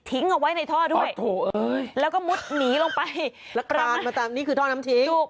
ทิ้งออกไว้ในท่อด้วยแล้วก็มุดหนีลงไปประมาณคือท่อน้ำทิ้ง